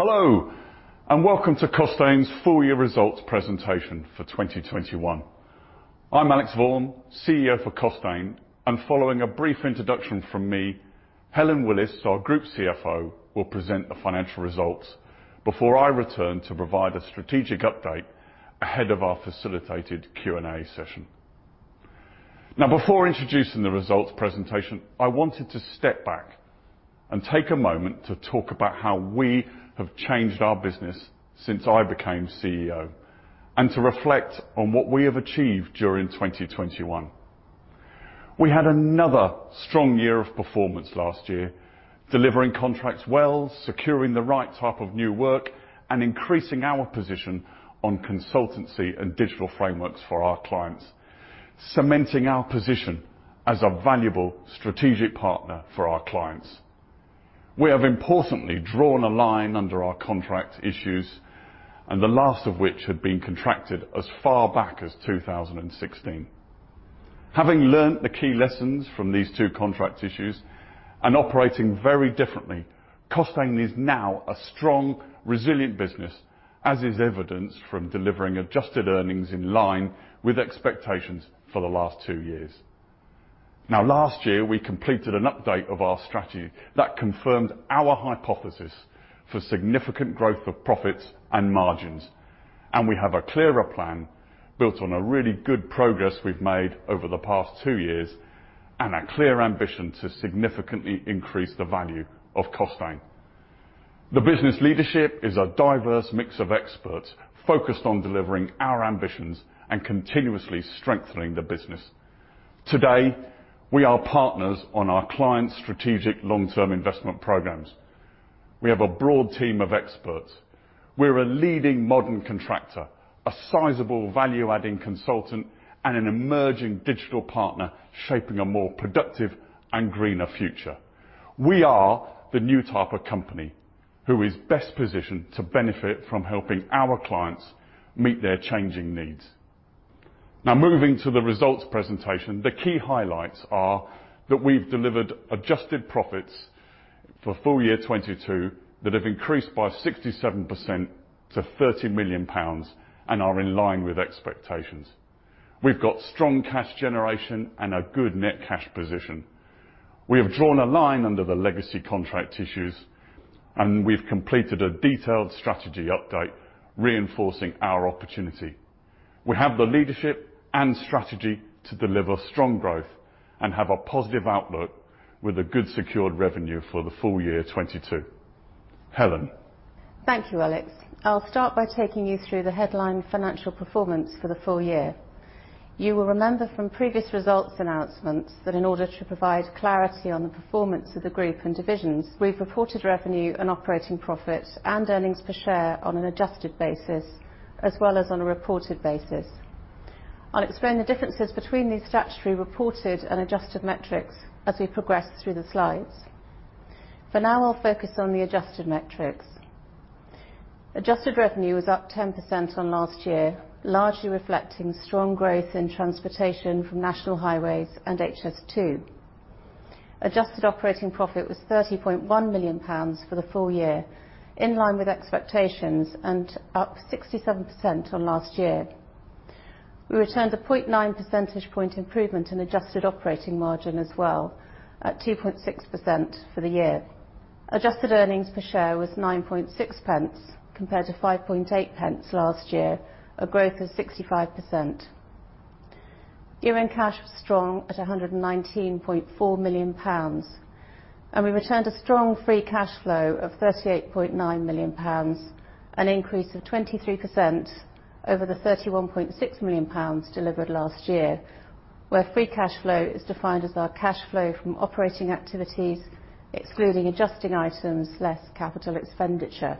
Hello, and welcome to Costain's full year results presentation for 2021. I'm Alex Vaughan, CEO for Costain, and following a brief introduction from me, Helen Willis, our Group CFO, will present the financial results before I return to provide a strategic update ahead of our facilitated Q&A session. Now before introducing the results presentation, I wanted to step back and take a moment to talk about how we have changed our business since I became CEO, and to reflect on what we have achieved during 2021. We had another strong year of performance last year, delivering contracts well, securing the right type of new work, and increasing our position on consultancy and digital frameworks for our clients, cementing our position as a valuable strategic partner for our clients. We have importantly drawn a line under our contract issues and the last of which had been contracted as far back as 2016. Having learned the key lessons from these two contract issues and operating very differently, Costain is now a strong, resilient business, as is evidenced from delivering adjusted earnings in line with expectations for the last two years. Now last year, we completed an update of our strategy that confirmed our hypothesis for significant growth of profits and margins, and we have a clearer plan built on a really good progress we've made over the past two years, and a clear ambition to significantly increase the value of Costain. The business leadership is a diverse mix of experts focused on delivering our ambitions and continuously strengthening the business. Today, we are partners on our clients' strategic long-term investment programs. We have a broad team of experts. We're a leading modern contractor, a sizable value-adding consultant, and an emerging digital partner shaping a more productive and greener future. We are the new type of company who is best positioned to benefit from helping our clients meet their changing needs. Now moving to the results presentation, the key highlights are that we've delivered adjusted profits for full year 2022 that have increased by 67% to 30 million pounds and are in line with expectations. We've got strong cash generation and a good net cash position. We have drawn a line under the legacy contract issues, and we've completed a detailed strategy update reinforcing our opportunity. We have the leadership and strategy to deliver strong growth and have a positive outlook with a good secured revenue for the full year 2022. Helen. Thank you, Alex. I'll start by taking you through the headline financial performance for the full year. You will remember from previous results announcements that in order to provide clarity on the performance of the group and divisions, we reported revenue and operating profit and earnings per share on an adjusted basis as well as on a reported basis. I'll explain the differences between these statutory reported and adjusted metrics as we progress through the slides. For now, I'll focus on the adjusted metrics. Adjusted revenue was up 10% on last year, largely reflecting strong growth in transportation from National Highways and HS2. Adjusted operating profit was 30.1 million pounds for the full year, in line with expectations and up 67% on last year. We returned a 0.9 percentage point improvement in adjusted operating margin as well at 2.6% for the year. Adjusted earnings per share was 9.6 pence compared to 5.8 pence last year, a growth of 65%. Year-end cash was strong at GBP 119.4 million, and we returned a strong free cash flow of GBP 38.9 million, an increase of 23% over the GBP 31.6 million delivered last year, where free cash flow is defined as our cash flow from operating activities, excluding adjusting items less capital expenditure.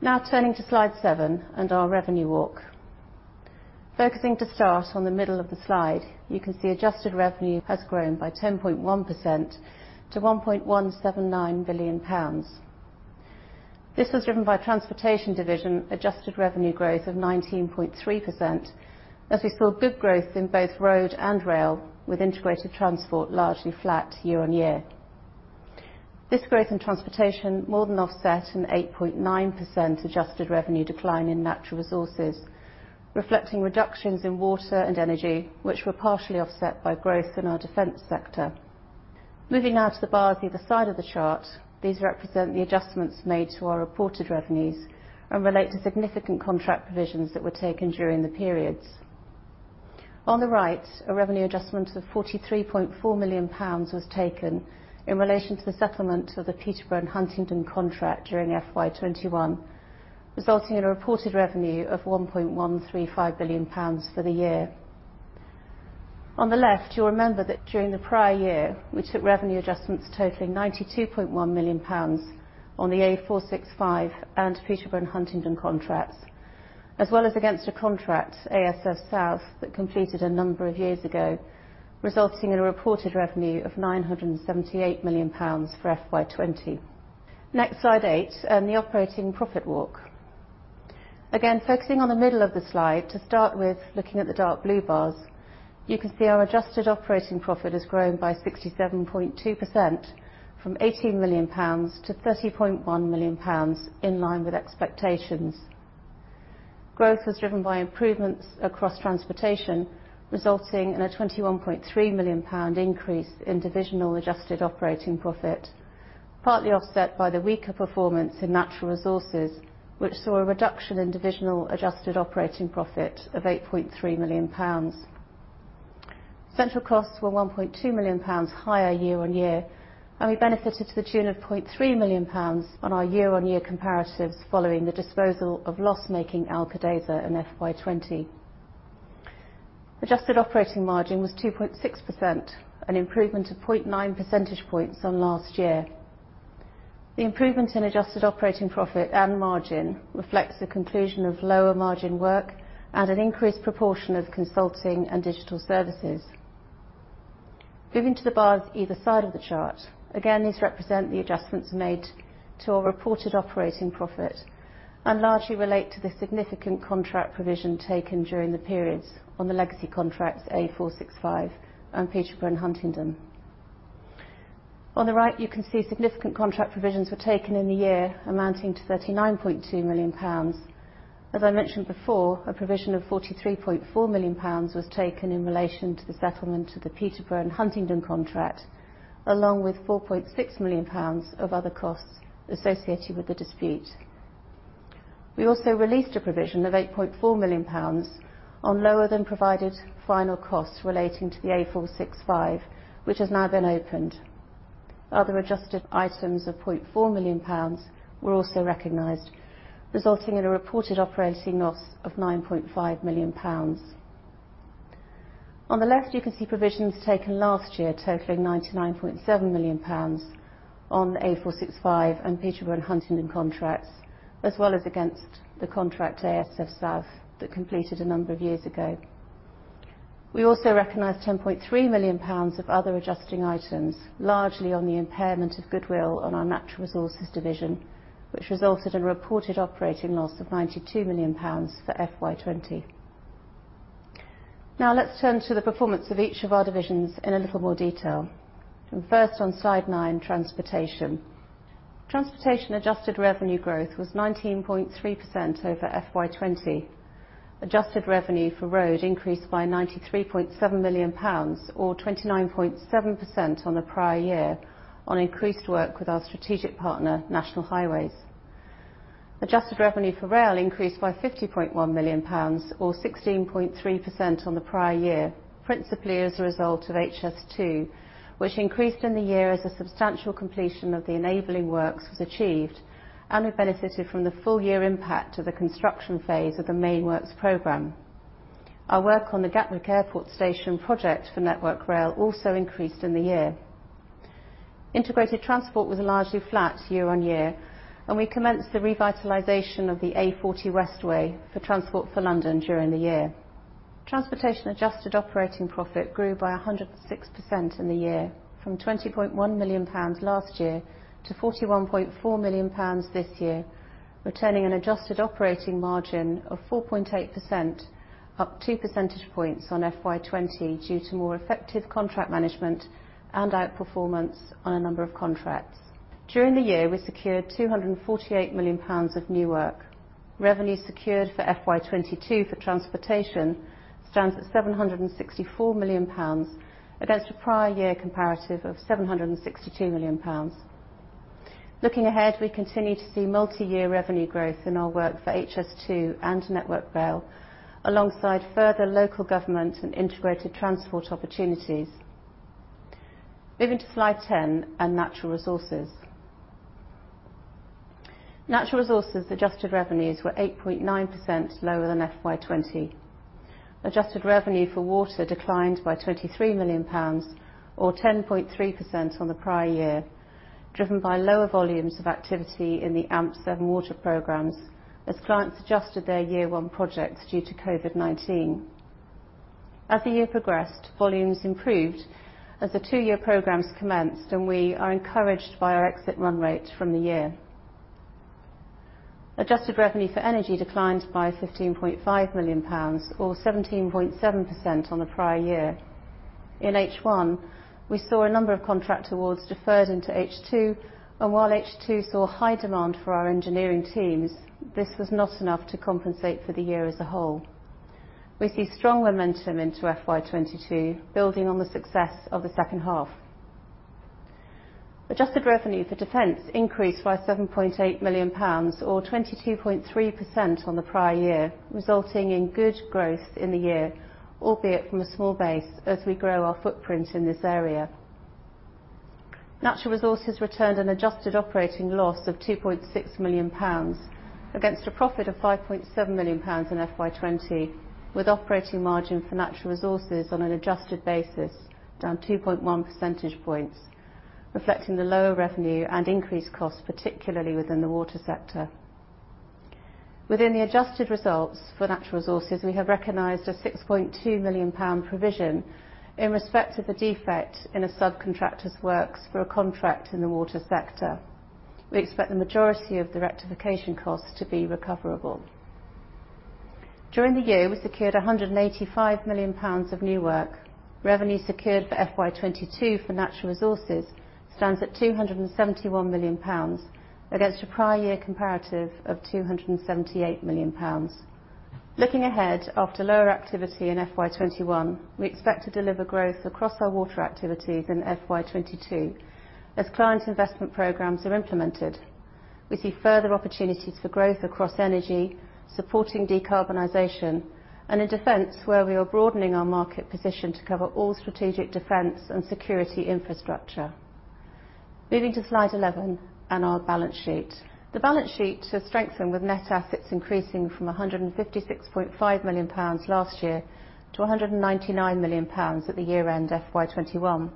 Now turning to slide seven and our revenue walk. Focusing to start on the middle of the slide, you can see adjusted revenue has grown by 10.1% to 1.179 billion pounds. This was driven by Transportation division adjusted revenue growth of 19.3%, as we saw good growth in both road and rail with integrated transport largely flat year-over-year. This growth in transportation more than offset an 8.9% adjusted revenue decline in natural resources, reflecting reductions in water and energy, which were partially offset by growth in our defense sector. Moving now to the bars either side of the chart, these represent the adjustments made to our reported revenues and relate to significant contract provisions that were taken during the periods. On the right, a revenue adjustment of 43.4 million pounds was taken in relation to the settlement of the Peterborough and Huntingdon contract during FY 2021, resulting in a reported revenue of 1.135 billion pounds for the year. On the left, you'll remember that during the prior year, we took revenue adjustments totaling 92.1 million pounds on the A465 and Peterborough and Huntingdon contracts, as well as against a contract, ASF South, that completed a number of years ago, resulting in a reported revenue of 978 million pounds for FY 2020. Next, slide eight, the operating profit walk. Again, focusing on the middle of the slide to start with looking at the dark blue bars, you can see our adjusted operating profit has grown by 67.2% from 18 million pounds to 30.1 million pounds in line with expectations. Growth was driven by improvements across transportation, resulting in a 21.3 million pound increase in divisional adjusted operating profit, partly offset by the weaker performance in natural resources, which saw a reduction in divisional adjusted operating profit of 8.3 million pounds. Central costs were 1.2 million pounds higher year on year, and we benefited to the tune of 0.3 million pounds on our year-on- year comparatives following the disposal of loss-making Alcaidesa in FY 2020. Adjusted operating margin was 2.6%, an improvement of 0.9 percentage points on last year. The improvement in adjusted operating profit and margin reflects the conclusion of lower margin work and an increased proportion of consulting and digital services. Moving to the bars either side of the chart. Again, these represent the adjustments made to our reported operating profit and largely relate to the significant contract provision taken during the periods on the legacy contracts A465 and Peterborough and Huntingdon. On the right you can see significant contract provisions were taken in the year amounting to 39.2 million pounds. As I mentioned before, a provision of 43.4 million pounds was taken in relation to the settlement of the Peterborough and Huntingdon contract, along with 4.6 million pounds of other costs associated with the dispute. We also released a provision of 8.4 million pounds on lower than provided final costs relating to the A465, which has now been opened. Other adjusted items of 0.4 million pounds were also recognized, resulting in a reported operating loss of 9.5 million pounds. On the left you can see provisions taken last year totaling 99.7 million pounds on the A465 and Peterborough and Huntingdon contracts, as well as against the contract ASF South that completed a number of years ago. We also recognized 10.3 million pounds of other adjusting items, largely on the impairment of goodwill on our natural resources division, which resulted in a reported operating loss of 92 million pounds for FY 2020. Now let's turn to the performance of each of our divisions in a little more detail. First, on slide nine, Transportation. Transportation adjusted revenue growth was 19.3% over FY 2020. Adjusted revenue for road increased by 93.7 million pounds or 29.7% on the prior year on increased work with our strategic partner, National Highways. Adjusted revenue for rail increased by 50.1 million pounds or 16.3% on the prior year, principally as a result of HS2, which increased in the year as a substantial completion of the enabling works was achieved and we benefited from the full year impact of the construction phase of the main works program. Our work on the Gatwick Airport station project for Network Rail also increased in the year. Integrated transport was largely flat year-on-year, and we commenced the revitalization of the A40 Westway for Transport for London during the year. Transportation adjusted operating profit grew by 106% in the year from 20.1 million pounds last year to 41.4 million pounds this year, returning an adjusted operating margin of 4.8% up two percentage points on FY 2020 due to more effective contract management and outperformance on a number of contracts. During the year, we secured 248 million pounds of new work. Revenue secured for FY 2022 for transportation stands at 764 million pounds against a prior year comparative of 762 million pounds. Looking ahead, we continue to see multiyear revenue growth in our work for HS2 and Network Rail, alongside further local government and integrated transport opportunities. Moving to slide 10 and natural resources. Natural resources adjusted revenues were 8.9% lower than FY 2020. Adjusted revenue for water declined by 23 million pounds or 10.3% on the prior year, driven by lower volumes of activity in the AMP7 water programs as clients adjusted their year one projects due to COVID-19. As the year progressed, volumes improved as the two-year programs commenced, and we are encouraged by our exit run rate from the year. Adjusted revenue for energy declined by 15.5 million pounds or 17.7% on the prior year. In H1, we saw a number of contract awards deferred into H2, and while H2 saw high demand for our engineering teams, this was not enough to compensate for the year as a whole. We see strong momentum into FY 2022, building on the success of the second half. Adjusted revenue for defense increased by 7.8 million pounds or 22.3% on the prior year, resulting in good growth in the year, albeit from a small base as we grow our footprint in this area. Natural resources returned an adjusted operating loss of 2.6 million pounds against a profit of 5.7 million pounds in FY 2020, with operating margin for natural resources on an adjusted basis down 2.1 percentage points, reflecting the lower revenue and increased costs, particularly within the water sector. Within the adjusted results for natural resources, we have recognized a 6.2 million pound provision in respect of a defect in a subcontractor's works for a contract in the water sector. We expect the majority of the rectification costs to be recoverable. During the year, we secured 185 million pounds of new work. Revenue secured for FY 2022 for natural resources stands at 271 million pounds against a prior year comparative of 278 million pounds. Looking ahead, after lower activity in FY 2021, we expect to deliver growth across our water activities in FY 2022 as client investment programs are implemented. We see further opportunities for growth across energy, supporting decarbonization, and in defense, where we are broadening our market position to cover all strategic defense and security infrastructure. Moving to slide 11 and our balance sheet. The balance sheet has strengthened, with net assets increasing from 156.5 million pounds last year to 199 million pounds at the year-end FY 2021.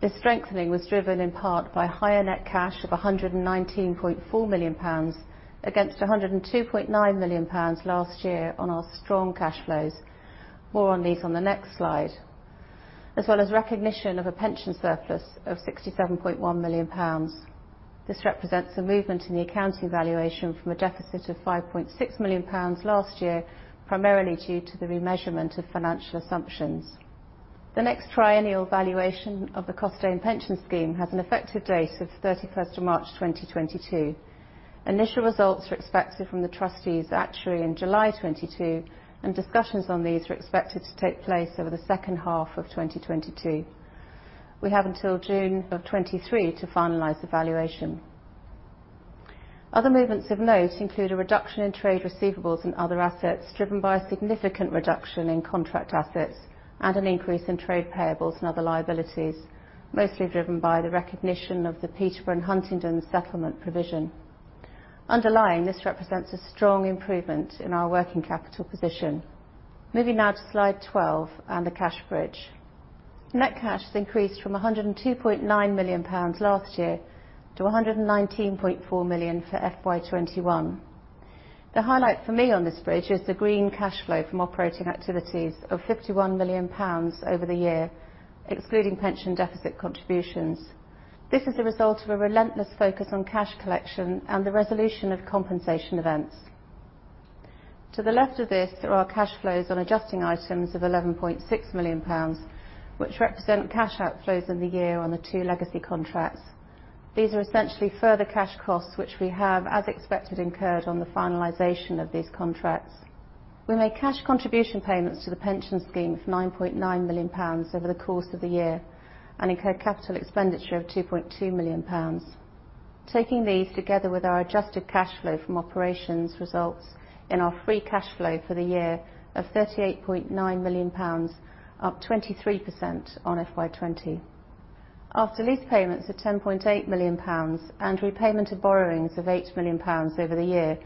This strengthening was driven in part by higher net cash of GBP 119.4 million against GBP 102.9 million last year on our strong cash flows. More on these on the next slide. As well as recognition of a pension surplus of 67.1 million pounds. This represents a movement in the accounting valuation from a deficit of 5.6 million pounds last year, primarily due to the remeasurement of financial assumptions. The next triennial valuation of the Costain Pension Scheme has an effective date of 31st March 2022. Initial results are expected from the trustees actually in July 2022, and discussions on these are expected to take place over the second half of 2022. We have until June 2023 to finalize the valuation. Other movements of note include a reduction in trade receivables and other assets driven by a significant reduction in contract assets and an increase in trade payables and other liabilities, mostly driven by the recognition of the Peterborough and Huntingdon settlement provision. Underlying, this represents a strong improvement in our working capital position. Moving now to slide 12 and the cash bridge. Net cash has increased from 102.9 million pounds last year to 119.4 million for FY 2021. The highlight for me on this bridge is the green cash flow from operating activities of 51 million pounds over the year, excluding pension deficit contributions. This is a result of a relentless focus on cash collection and the resolution of compensation events. To the left of this are our cash flows on adjusting items of 11.6 million pounds, which represent cash outflows in the year on the two legacy contracts. These are essentially further cash costs which we have, as expected, incurred on the finalization of these contracts. We made cash contribution payments to the pension scheme of 9.9 million pounds over the course of the year and incurred capital expenditure of 2.2 million pounds. Taking these together with our adjusted cash flow from operations results in our free cash flow for the year of 38.9 million pounds, up 23% on FY 2020. After lease payments of 10.8 million pounds and repayment of borrowings of 8 million pounds over the year,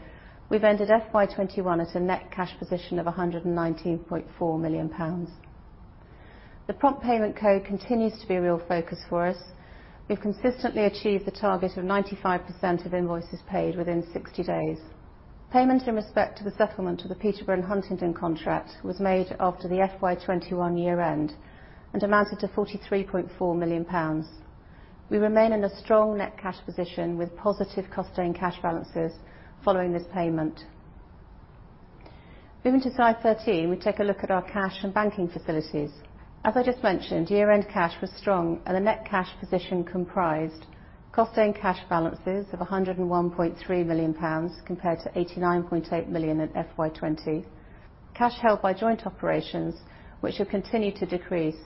we've ended FY 2021 at a net cash position of 119.4 million pounds. The Prompt Payment Code continues to be a real focus for us. We've consistently achieved the target of 95% of invoices paid within 60 days. Payment in respect of the settlement of the Peterborough and Huntingdon contract was made after the FY 2021 year-end and amounted to 43.4 million pounds. We remain in a strong net cash position with positive Costain cash balances following this payment. Moving to slide 13, we take a look at our cash and banking facilities. As I just mentioned, year-end cash was strong, and the net cash position comprised Costain cash balances of GBP 101.3 million compared to GBP 89.8 million in FY 2020. Cash held by joint operations, which have continued to decrease,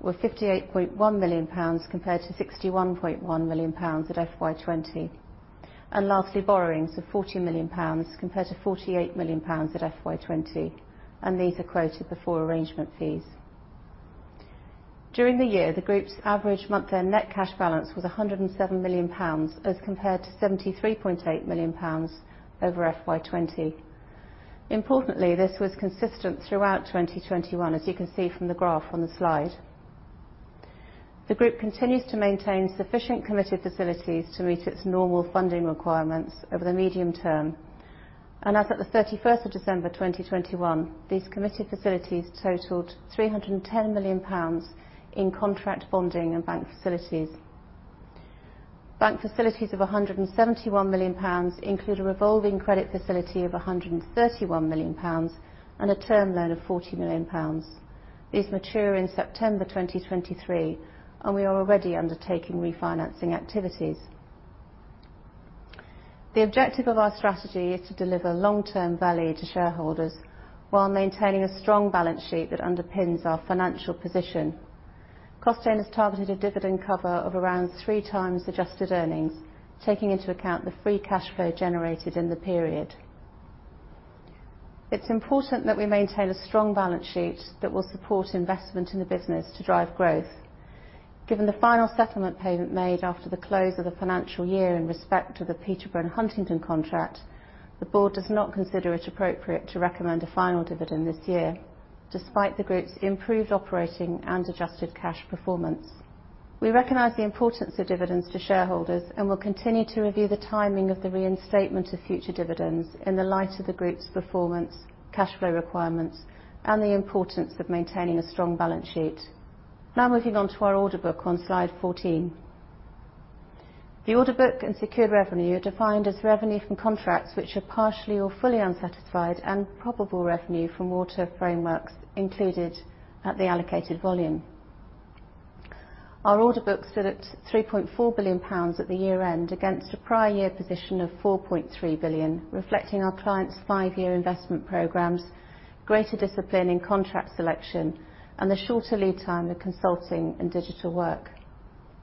were 58.1 million pounds compared to 61.1 million pounds at FY 2020. Lastly, borrowings of 40 million pounds compared to 48 million pounds at FY 2020, and these are quoted before arrangement fees. During the year, the Group's average month-end net cash balance was 107 million pounds as compared to 73.8 million pounds over FY 2020. Importantly, this was consistent throughout 2021, as you can see from the graph on the slide. The Group continues to maintain sufficient committed facilities to meet its normal funding requirements over the medium term, and as of the 31st of December 2021, these committed facilities totaled 310 million pounds in contract bonding and bank facilities. Bank facilities of 171 million pounds include a revolving credit facility of 131 million pounds and a term loan of 40 million pounds. These mature in September 2023, and we are already undertaking refinancing activities. The objective of our strategy is to deliver long-term value to shareholders while maintaining a strong balance sheet that underpins our financial position. Costain has targeted a dividend cover of around 3x adjusted earnings, taking into account the free cash flow generated in the period. It's important that we maintain a strong balance sheet that will support investment in the business to drive growth. Given the final settlement payment made after the close of the financial year in respect to the Peterborough and Huntingdon contract, the board does not consider it appropriate to recommend a final dividend this year, despite the group's improved operating and adjusted cash performance. We recognize the importance of dividends to shareholders and will continue to review the timing of the reinstatement of future dividends in the light of the group's performance, cash flow requirements, and the importance of maintaining a strong balance sheet. Now moving on to our order book on slide 14. The order book and secured revenue are defined as revenue from contracts which are partially or fully unsatisfied, and probable revenue from water frameworks included at the allocated volume. Our order book stood at 3.4 billion pounds at the year end against a prior year position of 4.3 billion, reflecting our clients' five-year investment programs, greater discipline in contract selection, and the shorter lead time of consulting and digital work.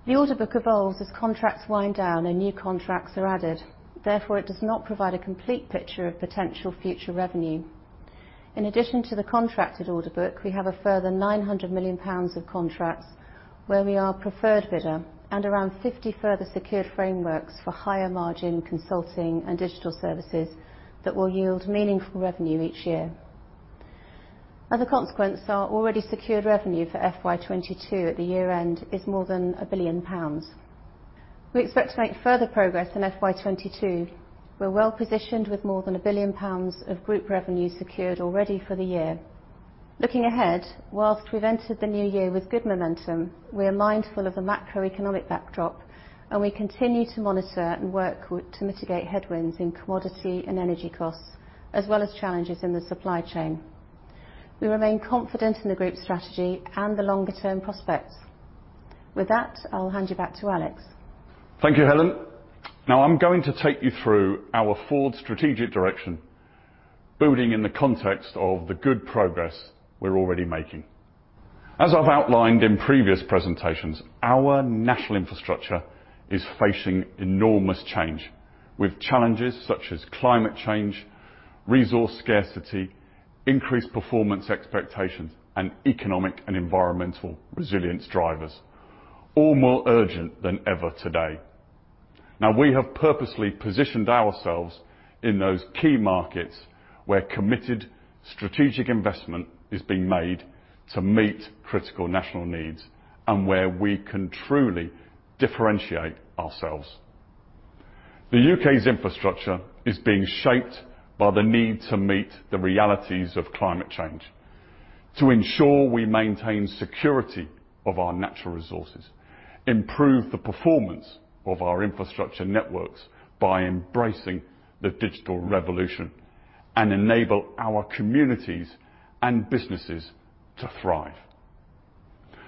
The order book evolves as contracts wind down and new contracts are added. Therefore, it does not provide a complete picture of potential future revenue. In addition to the contracted order book, we have a further 900 million pounds of contracts where we are preferred bidder and around 50 further secured frameworks for higher margin consulting and digital services that will yield meaningful revenue each year. As a consequence, our already secured revenue for FY 2022 at the year end is more than 1 billion pounds. We expect to make further progress in FY 2022. We're well-positioned with more than 1 billion pounds of group revenue secured already for the year. Looking ahead, while we've entered the new year with good momentum, we are mindful of the macroeconomic backdrop and we continue to monitor and work with to mitigate headwinds in commodity and energy costs, as well as challenges in the supply chain. We remain confident in the group's strategy and the longer-term prospects. With that, I'll hand you back to Alex. Thank you, Helen. Now, I'm going to take you through our forward strategic direction, building in the context of the good progress we're already making. As I've outlined in previous presentations, our national infrastructure is facing enormous change, with challenges such as climate change, resource scarcity, increased performance expectations, and economic and environmental resilience drivers, all more urgent than ever today. Now, we have purposely positioned ourselves in those key markets where committed strategic investment is being made to meet critical national needs, and where we can truly differentiate ourselves. The U.K.'s infrastructure is being shaped by the need to meet the realities of climate change, to ensure we maintain security of our natural resources, improve the performance of our infrastructure networks by embracing the digital revolution, and enable our communities and businesses to thrive.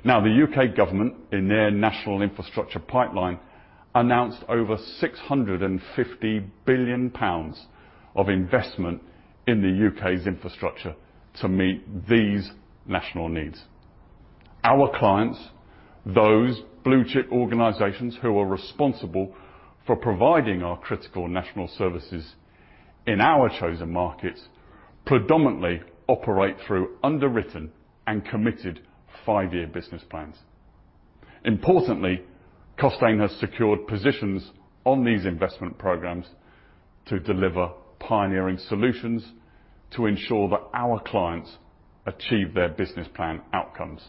Now the U.K. government, in their national infrastructure pipeline, announced over 650 billion pounds of investment in the U.K.'s infrastructure to meet these national needs. Our clients, those blue-chip organizations who are responsible for providing our critical national services in our chosen markets, predominantly operate through underwritten and committed five-year business plans. Importantly, Costain has secured positions on these investment programs to deliver pioneering solutions to ensure that our clients achieve their business plan outcomes.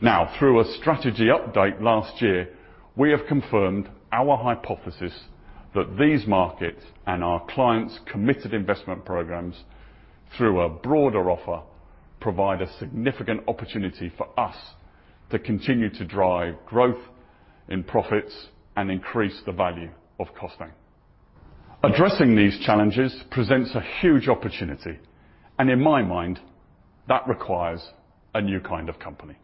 Now, through a strategy update last year, we have confirmed our hypothesis that these markets and our clients' committed investment programs, through a broader offer, provide a significant opportunity for us to continue to drive growth in profits and increase the value of Costain. Addressing these challenges presents a huge opportunity, and in my mind, that requires a new kind of company.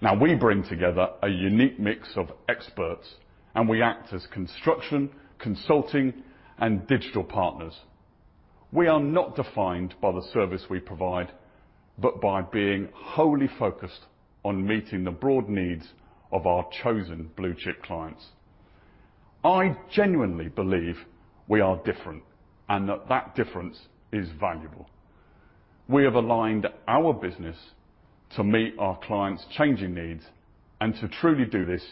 Now, we bring together a unique mix of experts, and we act as construction, consulting, and digital partners. We are not defined by the service we provide, but by being wholly focused on meeting the broad needs of our chosen blue-chip clients. I genuinely believe we are different and that that difference is valuable. We have aligned our business to meet our clients' changing needs, and to truly do this,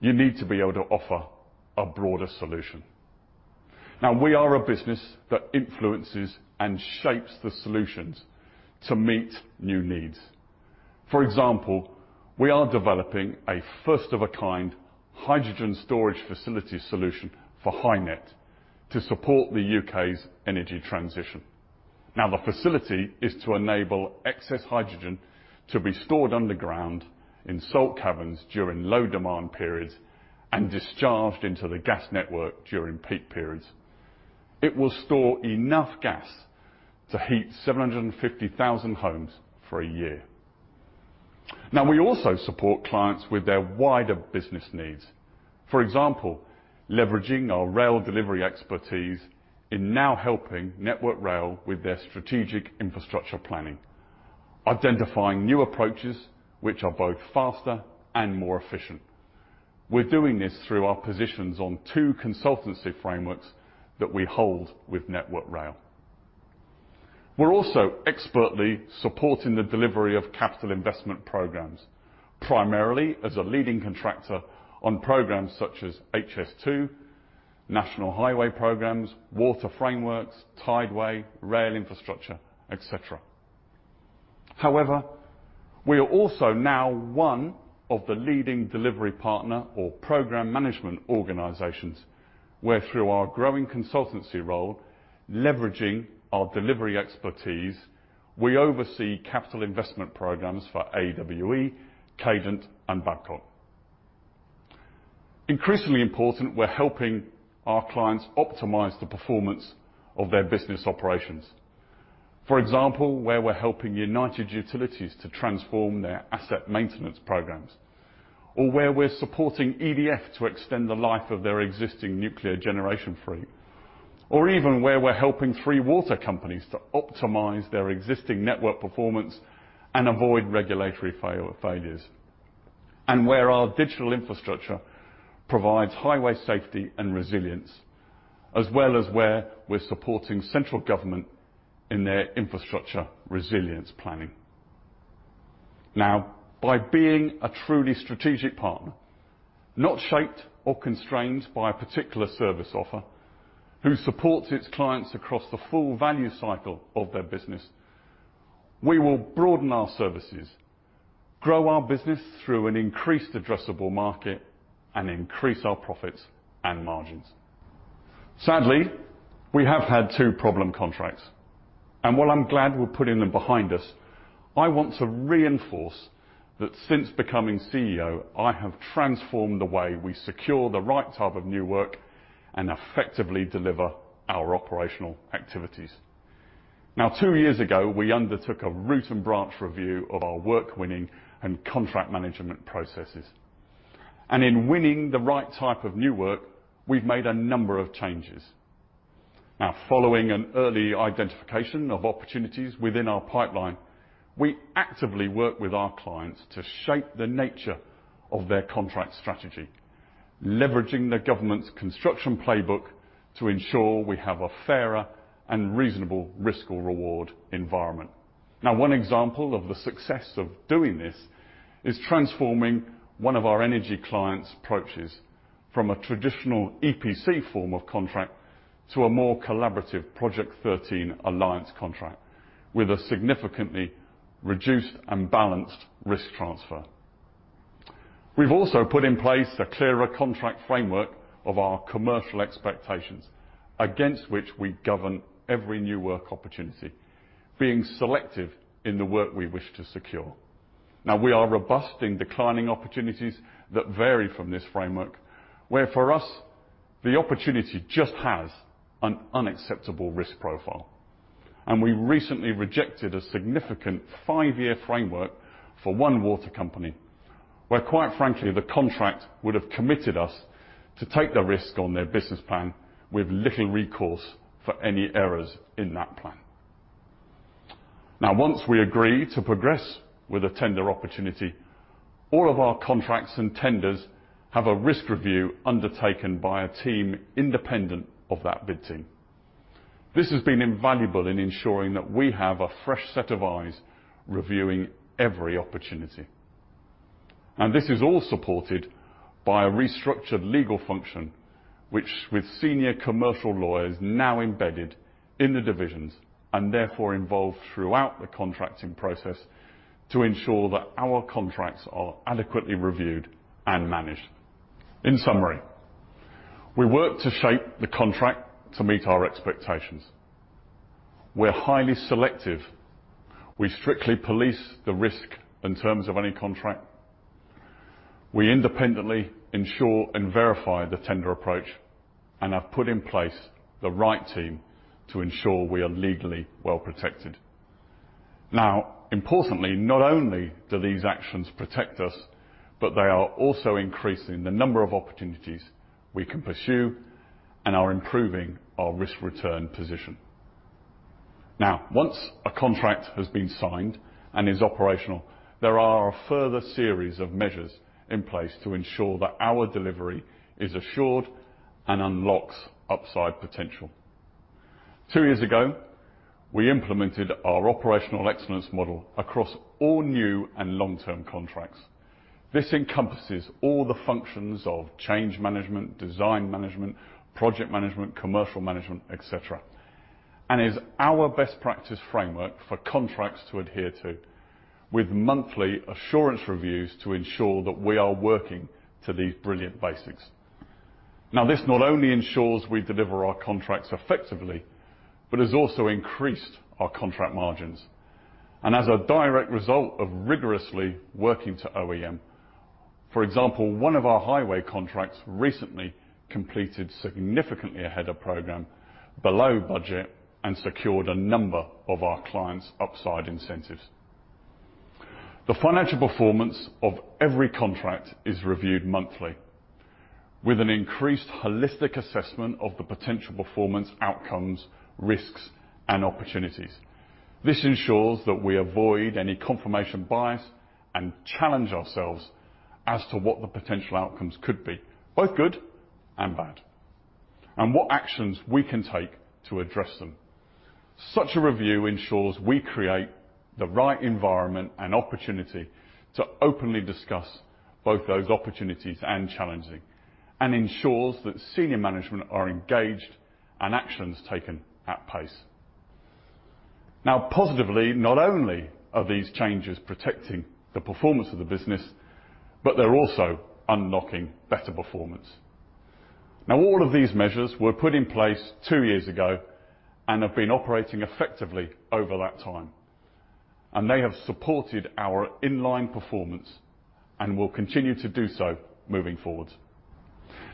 you need to be able to offer a broader solution. Now, we are a business that influences and shapes the solutions to meet new needs. For example, we are developing a first-of-a-kind hydrogen storage facility solution for HyNet to support the U.K.'s energy transition. Now, the facility is to enable excess hydrogen to be stored underground in salt caverns during low demand periods and discharged into the gas network during peak periods. It will store enough gas to heat 750,000 homes for a year. Now, we also support clients with their wider business needs. For example, leveraging our rail delivery expertise is now helping Network Rail with their strategic infrastructure planning, identifying new approaches which are both faster and more efficient. We're doing this through our positions on two consultancy frameworks that we hold with Network Rail. We're also expertly supporting the delivery of capital investment programs, primarily as a leading contractor on programs such as HS2, National Highways programs, water frameworks, Tideway, rail infrastructure, et cetera. However, we are also now one of the leading delivery partner or program management organizations where through our growing consultancy role, leveraging our delivery expertise, we oversee capital investment programs for AWE, Cadent, and Babcock. Increasingly important, we're helping our clients optimize the performance of their business operations. For example, where we're helping United Utilities to transform their asset maintenance programs, or where we're supporting EDF to extend the life of their existing nuclear generation fleet, or even where we're helping three water companies to optimize their existing network performance and avoid regulatory failures, and where our digital infrastructure provides highway safety and resilience, as well as where we're supporting central government in their infrastructure resilience planning. Now, by being a truly strategic partner, not shaped or constrained by a particular service offer, who supports its clients across the full value cycle of their business, we will broaden our services, grow our business through an increased addressable market, and increase our profits and margins. Sadly, we have had two problem contracts, and while I'm glad we're putting them behind us, I want to reinforce that since becoming CEO, I have transformed the way we secure the right type of new work and effectively deliver our operational activities. Now, two years ago, we undertook a root and branch review of our work winning and contract management processes. In winning the right type of new work, we've made a number of changes. Now, following an early identification of opportunities within our pipeline, we actively work with our clients to shape the nature of their contract strategy, leveraging the government's Construction Playbook to ensure we have a fairer and reasonable risk or reward environment. Now, one example of the success of doing this is transforming one of our energy clients' approaches from a traditional EPC form of contract to a more collaborative Project 13 alliance contract with a significantly reduced and balanced risk transfer. We've also put in place a clearer contract framework of our commercial expectations against which we govern every new work opportunity, being selective in the work we wish to secure. Now, we are robust in declining opportunities that vary from this framework, where for us, the opportunity just has an unacceptable risk profile. We recently rejected a significant five-year framework for one water company, where quite frankly, the contract would have committed us to take the risk on their business plan with little recourse for any errors in that plan. Now, once we agree to progress with a tender opportunity, all of our contracts and tenders have a risk review undertaken by a team independent of that bid team. This has been invaluable in ensuring that we have a fresh set of eyes reviewing every opportunity. This is all supported by a restructured legal function, which with senior commercial lawyers now embedded in the divisions and therefore involved throughout the contracting process to ensure that our contracts are adequately reviewed and managed. In summary, we work to shape the contract to meet our expectations. We're highly selective. We strictly police the risk in terms of any contract. We independently ensure and verify the tender approach and have put in place the right team to ensure we are legally well protected. Now, importantly, not only do these actions protect us, but they are also increasing the number of opportunities we can pursue and are improving our risk-return position. Now, once a contract has been signed and is operational, there are a further series of measures in place to ensure that our delivery is assured and unlocks upside potential. Two years ago, we implemented our operational excellence model across all new and long-term contracts. This encompasses all the functions of change management, design management, project management, commercial management, et cetera, and is our best practice framework for contracts to adhere to, with monthly assurance reviews to ensure that we are working to these brilliant basics. Now, this not only ensures we deliver our contracts effectively, but has also increased our contract margins. As a direct result of rigorously working to OEM, for example, one of our highway contracts recently completed significantly ahead of program below budget and secured a number of our clients' upside incentives. The financial performance of every contract is reviewed monthly with an increased holistic assessment of the potential performance outcomes, risks, and opportunities. This ensures that we avoid any confirmation bias and challenge ourselves as to what the potential outcomes could be, both good and bad, and what actions we can take to address them. Such a review ensures we create the right environment and opportunity to openly discuss both those opportunities and challenging and ensures that senior management are engaged and actions taken at pace. Now positively, not only are these changes protecting the performance of the business, but they're also unlocking better performance. Now all of these measures were put in place two years ago and have been operating effectively over that time. They have supported our in line performance and will continue to do so moving forward.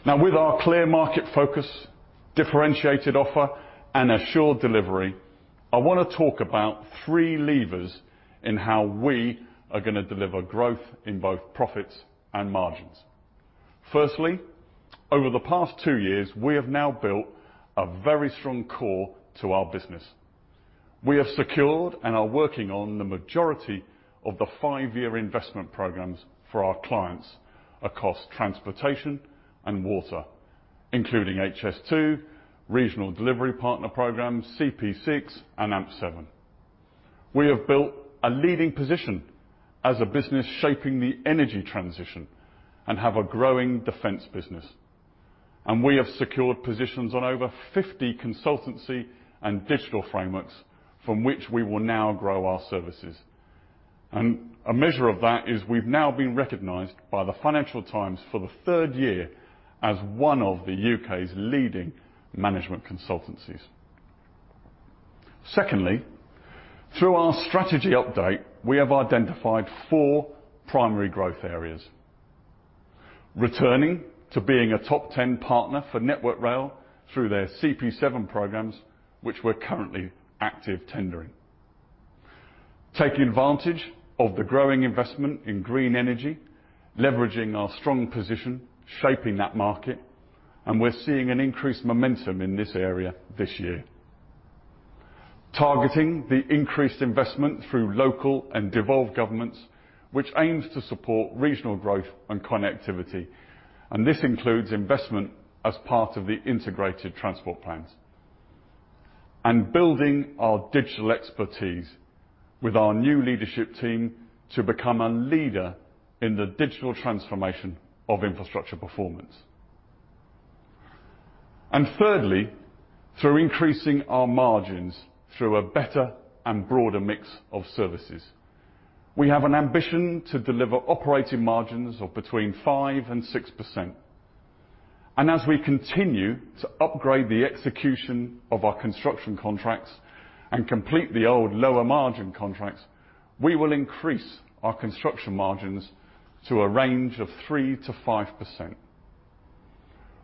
Now with our clear market focus, differentiated offer, and assured delivery, I wanna talk about three levers in how we are gonna deliver growth in both profits and margins. Firstly, over the past two years, we have now built a very strong core to our business. We have secured and are working on the majority of the five-year investment programs for our clients across transportation and water, including HS2, Regional Delivery Partnership program, CP6, and AMP7. We have built a leading position as a business shaping the energy transition and have a growing defense business. We have secured positions on over 50 consultancy and digital frameworks from which we will now grow our services. A measure of that is we've now been recognized by the Financial Times for the third year as one of the U.K.'s leading management consultancies. Secondly, through our strategy update, we have identified four primary growth areas. Returning to being a top ten partner for Network Rail through their CP7 programs, which we're currently active tendering. Taking advantage of the growing investment in green energy, leveraging our strong position, shaping that market, and we're seeing an increased momentum in this area this year. Targeting the increased investment through local and devolved governments, which aims to support regional growth and connectivity. This includes investment as part of the integrated transport plans. Building our digital expertise with our new leadership team to become a leader in the digital transformation of infrastructure performance. Thirdly, through increasing our margins through a better and broader mix of services. We have an ambition to deliver operating margins of between 5% and 6%. As we continue to upgrade the execution of our construction contracts and complete the old lower-margin contracts, we will increase our construction margins to a range of 3%-5%.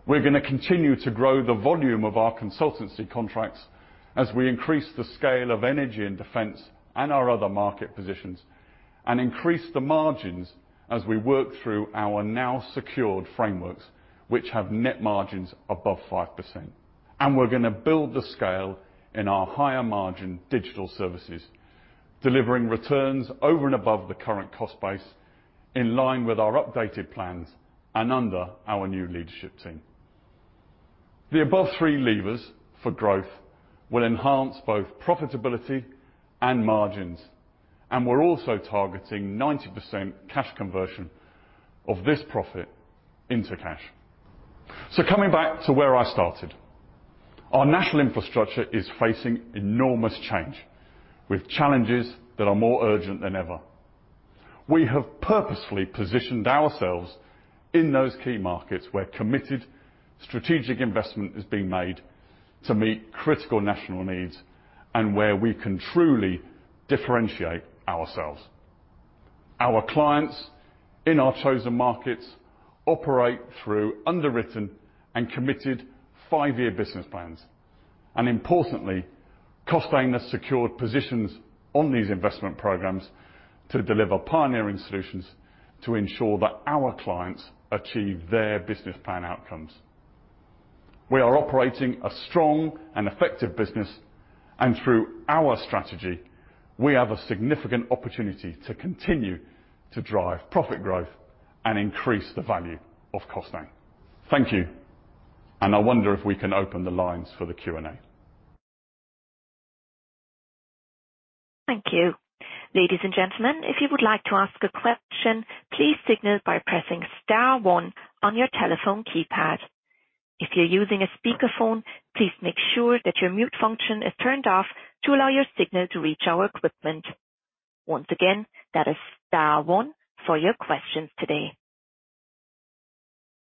We're gonna continue to grow the volume of our consultancy contracts as we increase the scale of energy and defense and our other market positions and increase the margins as we work through our now secured frameworks, which have net margins above 5%. We're gonna build the scale in our higher-margin digital services, delivering returns over and above the current cost base in line with our updated plans and under our new leadership team. The above three levers for growth will enhance both profitability and margins, and we're also targeting 90% cash conversion of this profit into cash. Coming back to where I started, our national infrastructure is facing enormous change, with challenges that are more urgent than ever. We have purposefully positioned ourselves in those key markets where committed, strategic investment is being made to meet critical national needs and where we can truly differentiate ourselves. Our clients in our chosen markets operate through underwritten and committed five-year business plans and importantly, Costain has secured positions on these investment programs to deliver pioneering solutions to ensure that our clients achieve their business plan outcomes. We are operating a strong and effective business and through our strategy, we have a significant opportunity to continue to drive profit growth and increase the value of Costain. Thank you. I wonder if we can open the lines for the Q&A. Thank you. Ladies and gentlemen, if you would like to ask a question, please signal by pressing star one on your telephone keypad. If you're using a speakerphone, please make sure that your mute function is turned off to allow your signal to reach our equipment. Once again, that is star one for your questions today.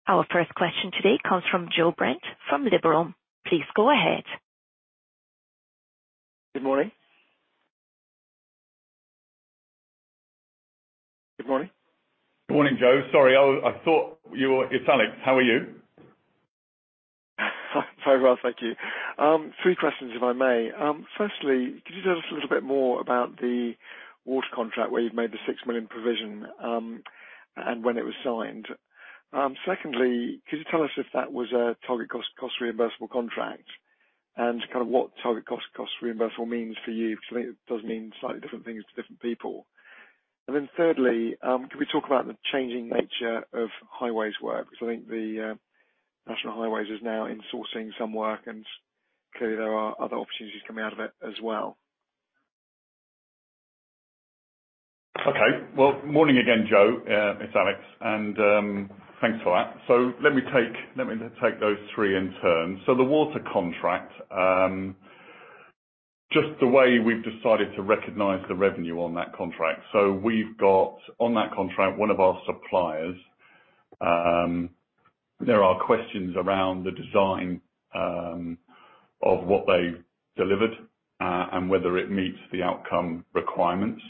Our first question today comes from Joe Brent from Liberum. Please go ahead. Good morning. Good morning. Good morning, Joe. Sorry, I thought you were. It's Alex. How are you? Very well, thank you. Three questions if I may. Firstly, could you tell us a little bit more about the water contract where you've made the 6 million provision, and when it was signed? Secondly, could you tell us if that was a target cost reimbursable contract and kind of what target cost reimbursable means for you? Because I think it does mean slightly different things to different people. Thirdly, could we talk about the changing nature of highways work? Because I think the National Highways is now insourcing some work, and clearly, there are other opportunities coming out of it as well. Okay. Well, morning again, Joe. It's Alex, and thanks for that. Let me take those three in turn. The water contract, just the way we've decided to recognize the revenue on that contract. We've got, on that contract, one of our suppliers, there are questions around the design, of what they delivered, and whether it meets the outcome requirements.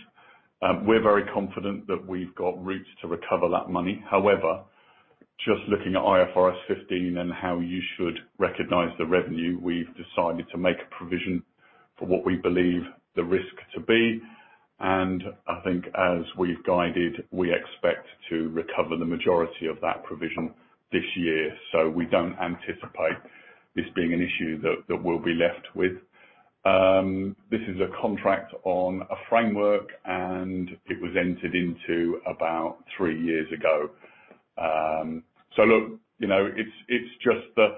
We're very confident that we've got routes to recover that money. However, just looking at IFRS 15 and how you should recognize the revenue, we've decided to make a provision for what we believe the risk to be. I think as we've guided, we expect to recover the majority of that provision this year. We don't anticipate this being an issue that we'll be left with. This is a contract on a framework, and it was entered into about three years ago. Look, you know, it's just that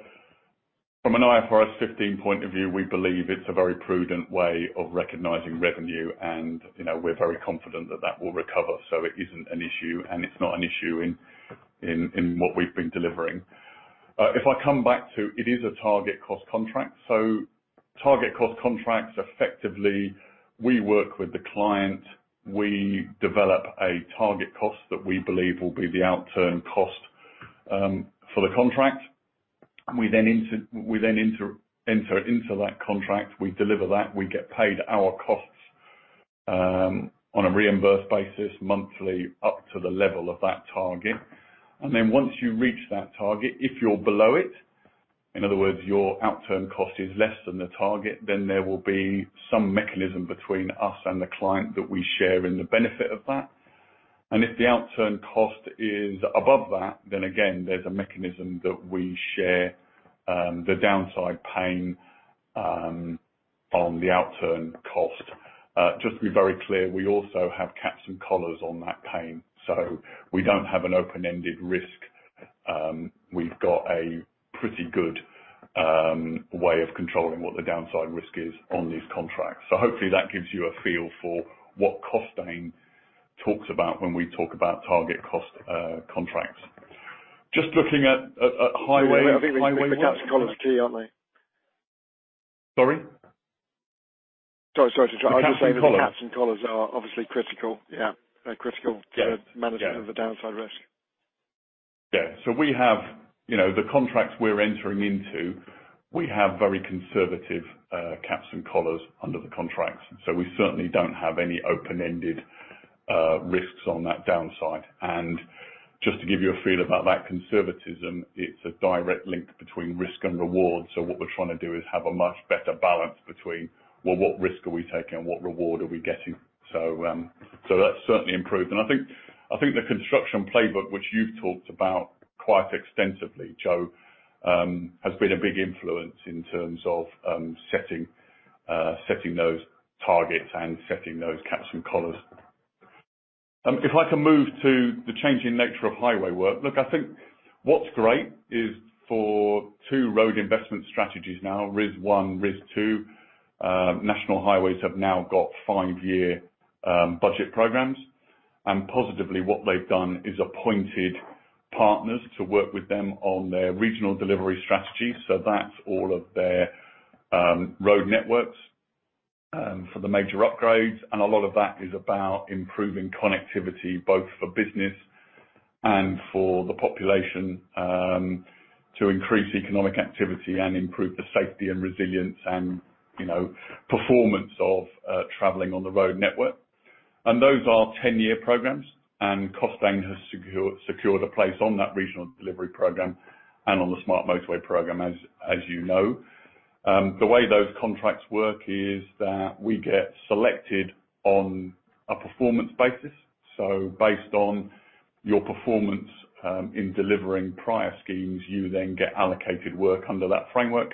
from an IFRS 15 point of view, we believe it's a very prudent way of recognizing revenue and, you know, we're very confident that that will recover. It isn't an issue, and it's not an issue in what we've been delivering. If I come back to it is a target cost contract. Target cost contracts, effectively, we work with the client. We develop a target cost that we believe will be the outturn cost for the contract. We then enter into that contract, we deliver that, we get paid our costs on a reimbursed basis monthly up to the level of that target. Once you reach that target, if you're below it, in other words, your outturn cost is less than the target, then there will be some mechanism between us and the client that we share in the benefit of that. If the outturn cost is above that, then again, there's a mechanism that we share the downside pain on the outturn cost. Just to be very clear, we also have caps and collars on that pain, so we don't have an open-ended risk. We've got a pretty good way of controlling what the downside risk is on these contracts. Hopefully that gives you a feel for what Costain talks about when we talk about target cost contracts. Just looking at highway- I think the caps and collars are key, aren't they? Sorry? Sorry. Sorry to interrupt. The caps and collars. I was just saying that the caps and collars are obviously critical. Yeah, they're critical. Yeah. To management of the downside risk. We have, you know, the contracts we're entering into, we have very conservative caps and collars under the contracts, so we certainly don't have any open-ended risks on that downside. Just to give you a feel about that conservatism, it's a direct link between risk and reward. What we're trying to do is have a much better balance between, well, what risk are we taking and what reward are we getting? That's certainly improved. I think the Construction Playbook, which you've talked about quite extensively, Joe, has been a big influence in terms of setting those targets and setting those caps and collars. If I can move to the changing nature of highway work. Look, I think what's great is for two road investment strategies now, RIS 1, RIS 2, National Highways have now got five-year budget programs. Positively, what they've done is appointed partners to work with them on their regional delivery strategy. That's all of their road networks for the major upgrades. A lot of that is about improving connectivity both for business and for the population to increase economic activity and improve the safety and resilience and, you know, performance of traveling on the road network. Those are ten-year programs, and Costain has secured a place on that regional delivery program and on the smart motorway program, as you know. The way those contracts work is that we get selected on a performance basis. Based on your performance in delivering prior schemes, you then get allocated work under that framework.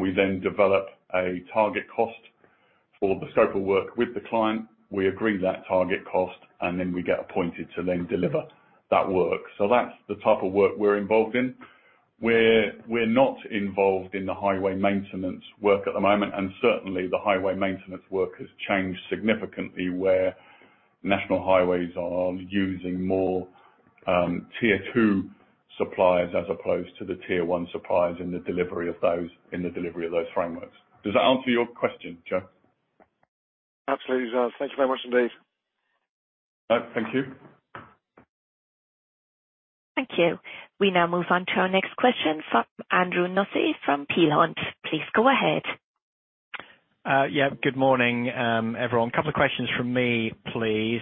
We then develop a target cost for the scope of work with the client. We agree that target cost, and then we get appointed to then deliver that work. That's the type of work we're involved in. We're not involved in the highway maintenance work at the moment, and certainly, the highway maintenance work has changed significantly, where National Highways are using more Tier 2 suppliers, as opposed to the Tier 1 suppliers in the delivery of those frameworks. Does that answer your question, Joe? Absolutely. Thank you very much indeed. All right. Thank you. Thank you. We now move on to our next question from Andrew Nussey from Peel Hunt. Please go ahead. Yeah. Good morning, everyone. A couple of questions from me, please.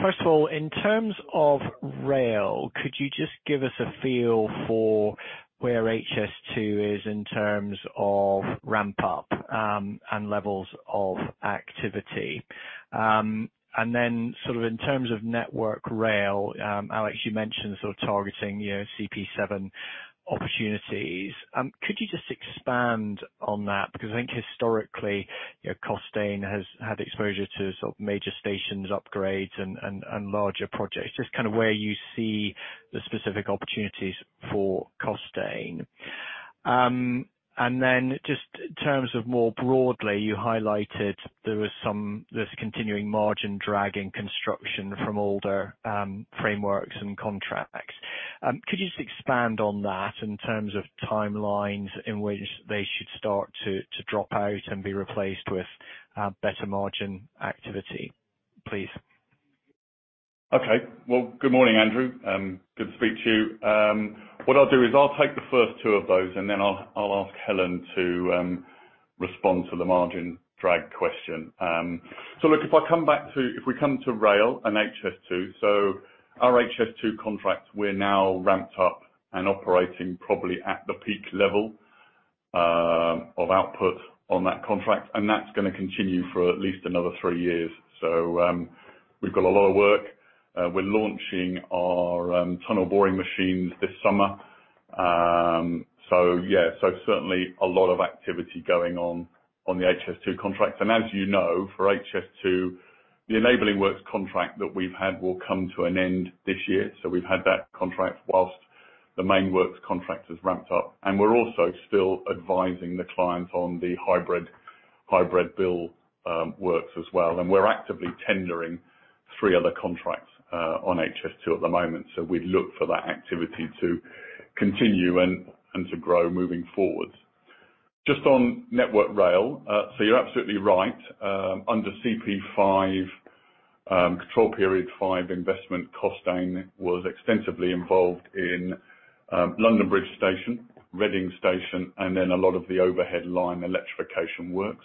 First of all, in terms of rail, could you just give us a feel for where HS2 is in terms of ramp up and levels of activity? Then sort of in terms of Network Rail, Alex, you mentioned sort of targeting, you know, CP7 opportunities. Could you just expand on that? Because I think historically, you know, Costain has had exposure to sort of major stations upgrades and larger projects. Just kind of where you see the specific opportunities for Costain. Then just in terms of more broadly, you highlighted there's continuing margin drag in construction from older frameworks and contracts. Could you just expand on that in terms of timelines in which they should start to drop out and be replaced with better margin activity, please? Okay. Well, good morning, Andrew. Good to speak to you. What I'll do is I'll take the first two of those, and then I'll ask Helen to respond to the margin drag question. Look, if we come to rail and HS2, our HS2 contracts, we're now ramped up and operating probably at the peak level of output on that contract, and that's gonna continue for at least another three years. We've got a lot of work. We're launching our tunnel boring machines this summer. Yeah, certainly a lot of activity going on the HS2 contract. As you know, for HS2, the enabling works contract that we've had will come to an end this year. We've had that contract while the main works contract has ramped up. We're also still advising the client on the hybrid bill works as well. We're actively tendering three other contracts on HS2 at the moment. We'd look for that activity to continue and to grow moving forward. Just on Network Rail, you're absolutely right. Under CP5, Control Period Five investment, Costain was extensively involved in London Bridge Station, Reading Station, and then a lot of the overhead line electrification works.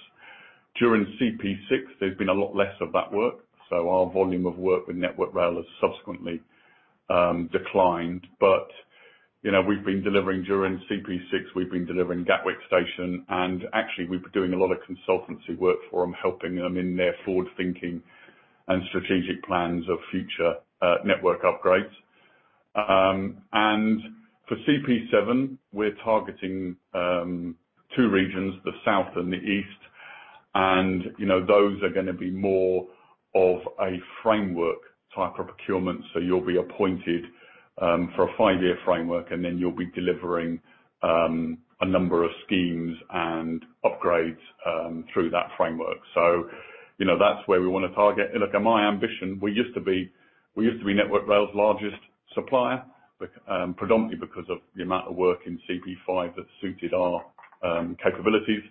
During CP6, there's been a lot less of that work, so our volume of work with Network Rail has subsequently declined. You know, we've been delivering during CP6, we've been delivering Gatwick Station, and actually we've been doing a lot of consultancy work for them, helping them in their forward-thinking and strategic plans of future network upgrades. For CP7, we're targeting two regions, the south and the east. You know, those are gonna be more of a framework type of procurement. You'll be appointed for a five-year framework, and then you'll be delivering a number of schemes and upgrades through that framework. You know, that's where we wanna target. Look, my ambition, we used to be Network Rail's largest supplier, but predominantly because of the amount of work in CP5 that suited our capabilities.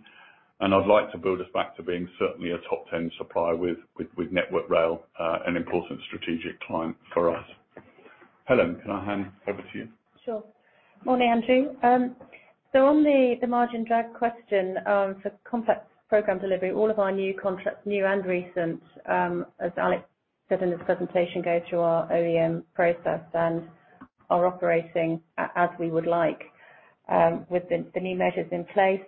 I'd like to build us back to being certainly a top 10 supplier with Network Rail, an important strategic client for us. Helen, can I hand over to you? Sure. Morning, Andrew. So on the margin drag question, for complex program delivery, all of our new contracts, new and recent, as Alex said in his presentation, go through our OEM process and are operating as we would like, with the new measures in place.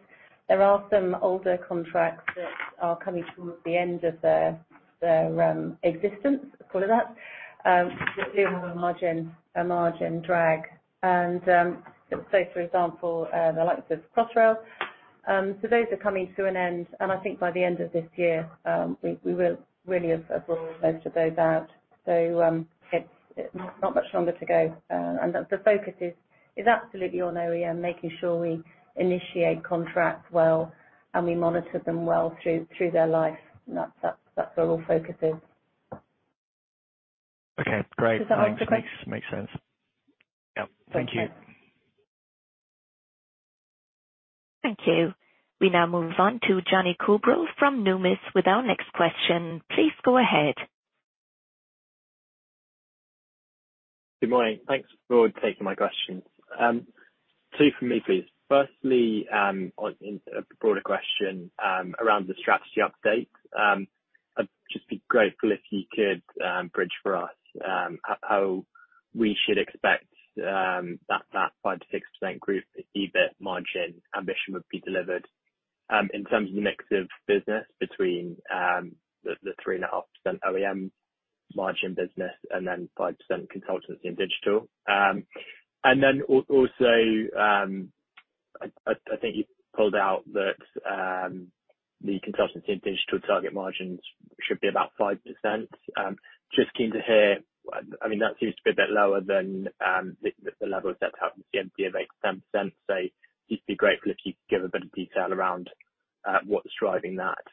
There are some older contracts that are coming to the end of their existence, call it that do have a margin drag. So for example, the likes of Crossrail, so those are coming to an end. I think by the end of this year, we will really have brought most of those out. It's not much longer to go. The focus is absolutely on OEM, making sure we initiate contracts well and we monitor them well through their life. That's where all focus is. Okay, great. Does that answer your question? Makes sense. Yep. Thank you. Thanks, Andrew. Thank you. We now move on to Jonny Coubrough from Numis with our next question. Please go ahead. Good morning. Thanks for taking my questions. Two for me, please. Firstly, on a broader question, around the strategy update. I'd just be grateful if you could bridge for us how we should expect that 5%-6% group EBIT margin ambition would be delivered in terms of the mix of business between the 3.5% OEM margin business and then 5% consultancy and digital. Then also, I think you called out that the consultancy and digital target margins should be about 5%. Just keen to hear, I mean, that seems to be a bit lower than the level set out in the CMD of 8%. I'd be grateful if you could give a bit of detail around what's driving that.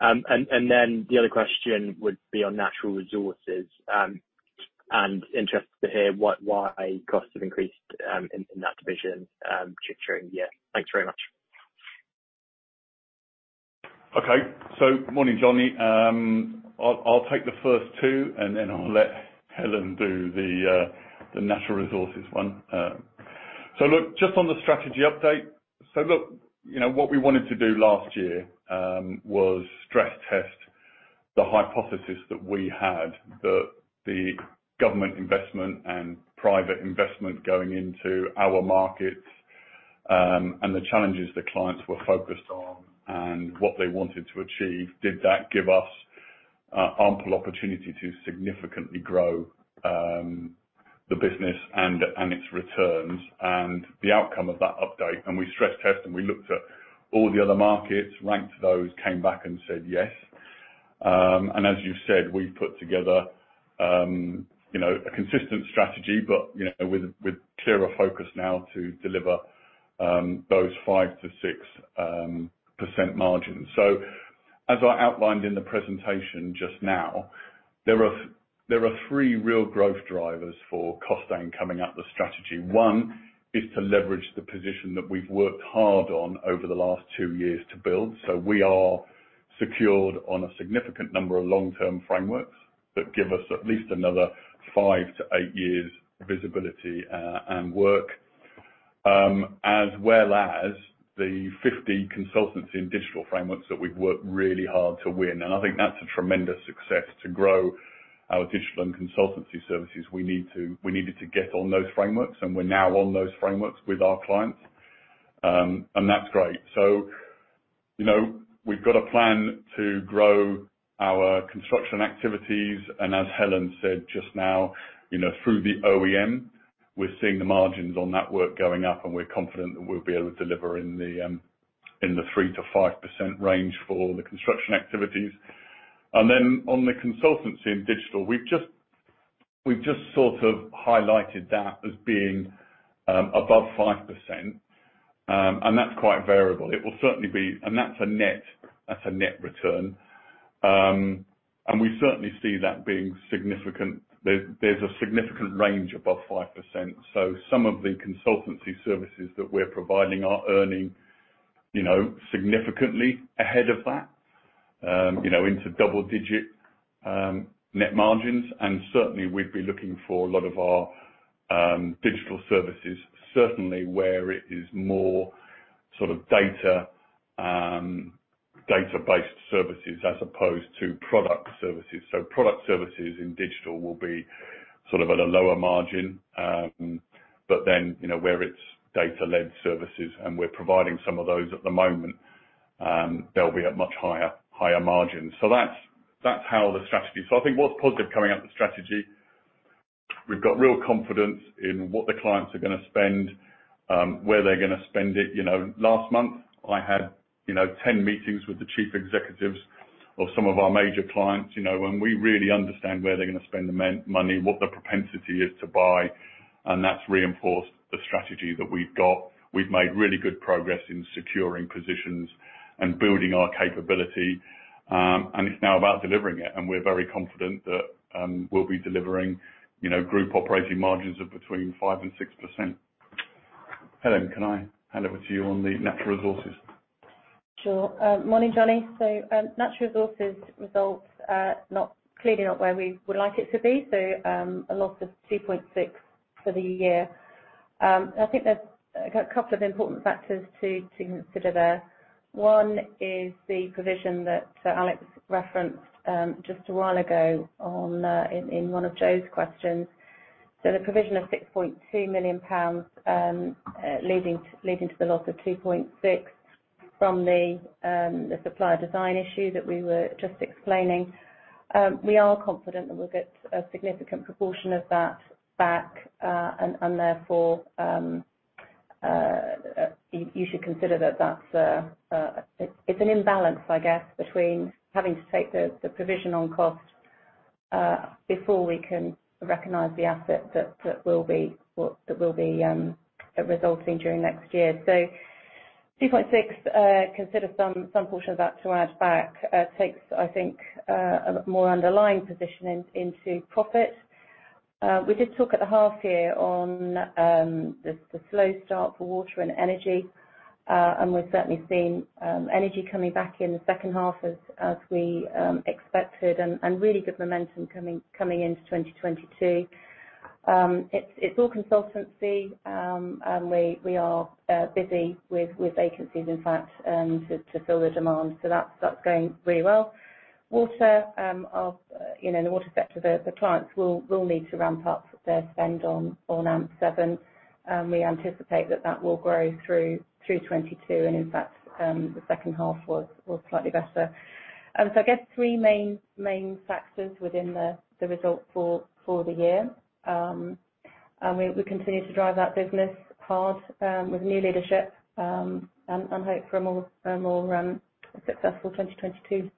And then the other question would be on natural resources, and I'm interested to hear why costs have increased in that division during the year. Thanks very much. Okay. Good morning, Jonny. I'll take the first two, and then I'll let Helen do the natural resources one. Look, just on the strategy update. Look, you know, what we wanted to do last year was stress test the hypothesis that we had that the government investment and private investment going into our markets, and the challenges the clients were focused on and what they wanted to achieve, did that give us ample opportunity to significantly grow the business and its returns? The outcome of that update, we stress-tested, and we looked at all the other markets, ranked those, came back and said, "Yes." As you've said, we've put together, you know, a consistent strategy, but, you know, with clearer focus now to deliver those 5%-6% margins. As I outlined in the presentation just now, there are three real growth drivers for Costain coming up with strategy. One is to leverage the position that we've worked hard on over the last two years to build. We are secured on a significant number of long-term frameworks that give us at least another five to eight years visibility and work, as well as the 50 consultancy and digital frameworks that we've worked really hard to win. I think that's a tremendous success to grow our digital and consultancy services. We needed to get on those frameworks, and we're now on those frameworks with our clients. That's great. You know, we've got a plan to grow our construction activities, and as Helen said just now, you know, through the OEM, we're seeing the margins on that work going up, and we're confident that we'll be able to deliver in the 3%-5% range for the construction activities. Then on the consultancy and digital, we've just sort of highlighted that as being above 5%. That's quite variable. It will certainly be, and that's a net return. We certainly see that being significant. There's a significant range above 5%. Some of the consultancy services that we're providing are earning, you know, significantly ahead of that, you know, into double-digit net margins. Certainly we'd be looking for a lot of our digital services, certainly where it is more sort of data data-based services as opposed to product services. Product services in digital will be sort of at a lower margin. You know, where it's data-led services, and we're providing some of those at the moment, they'll be at much higher margins. That's how the strategy. I think what's positive coming out the strategy, we've got real confidence in what the clients are gonna spend, where they're gonna spend it. You know, last month, I had, you know, 10 meetings with the chief executives of some of our major clients, you know, and we really understand where they're gonna spend the money, what the propensity is to buy, and that's reinforced the strategy that we've got. We've made really good progress in securing positions and building our capability. It's now about delivering it, and we're very confident that we'll be delivering, you know, group operating margins of between 5% and 6%. Helen, can I hand over to you on the natural resources? Sure. Morning, Jonny. Natural Resources results are clearly not where we would like it to be. A loss of 2.6 million for the year. I think there's a couple of important factors to consider there. One is the provision that Alex referenced just a while ago in one of Joe's questions. The provision of 6.2 million pounds leading to the loss of 2.6 million from the supplier design issue that we were just explaining. We are confident that we'll get a significant proportion of that back, and therefore you should consider that that's an imbalance, I guess, between having to take the provision on cost before we can recognize the asset that will be resulting during next year. 2.6 million, consider some portion of that to add back, takes I think a more underlying position into profit. We did talk at the half year on the slow start for water and energy, and we've certainly seen energy coming back in the second half as we expected, and really good momentum coming into 2022. It's all consultancy, and we are busy with vacancies, in fact, to fill the demand. That's going really well. Water, you know, in the water sector, the clients will need to ramp up their spend on AMP7. We anticipate that that will grow through 2022, and in fact, the second half was slightly better. I guess three main factors within the result for the year. We continue to drive that business hard, with new leadership, and hope for a more successful 2022.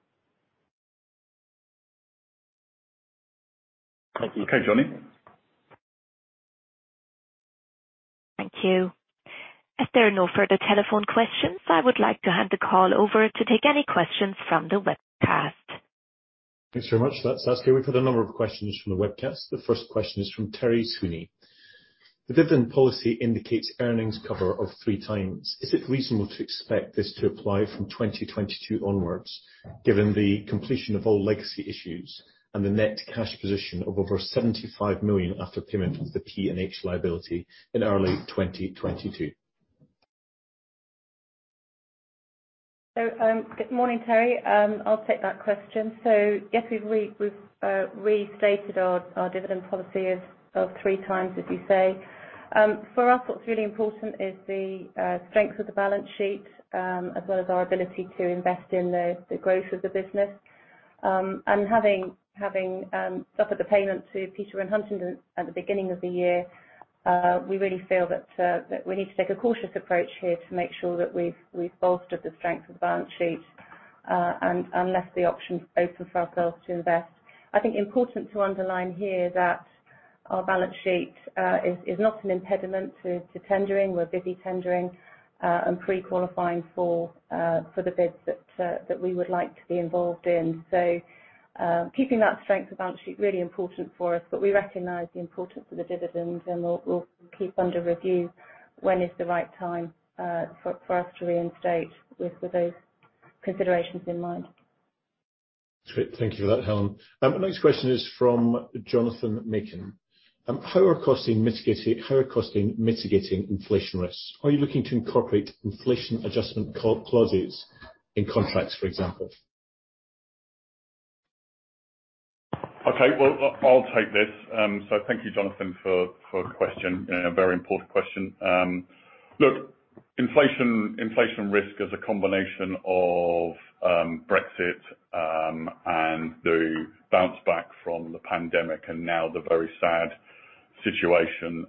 Okay, Jonny. Thank you. If there are no further telephone questions, I would like to hand the call over to take any questions from the webcast. Thanks very much. That's okay. We've got a number of questions from the webcast. The first question is from Terry Sweeney. The dividend policy indicates earnings cover of 3x. Is it reasonable to expect this to apply from 2022 onwards, given the completion of all legacy issues and the net cash position of over 75 million after payment of the PNH liability in early 2022? Good morning, Terry. I'll take that question. Yes, we've restated our dividend policy of3x, as you say. For us, what's really important is the strength of the balance sheet, as well as our ability to invest in the growth of the business. Having suffered the payment to Peterborough and Huntingdon at the beginning of the year, we really feel that we need to take a cautious approach here to make sure that we've bolstered the strength of the balance sheet, and unless the option is open for ourselves to invest. I think it's important to underline here that our balance sheet is not an impediment to tendering. We're busy tendering and pre-qualifying for the bids that we would like to be involved in. Keeping that strength of balance sheet really important for us, but we recognize the importance of the dividends, and we'll keep under review when is the right time for us to reinstate with those considerations in mind. Great. Thank you for that, Helen. Next question is from Jonathan Makin. How is Costain mitigating inflation risks? Are you looking to incorporate inflation adjustment clauses in contracts, for example? Okay. Well, I'll take this. Thank you, Jonathan, for the question. A very important question. Look, inflation risk is a combination of Brexit and the bounce back from the pandemic, and now the very sad situation